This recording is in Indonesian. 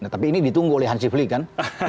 tapi ini ditunggu oleh hansi vli kan